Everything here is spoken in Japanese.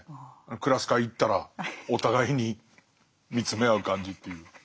クラス会行ったらお互いに見つめ合う感じっていう。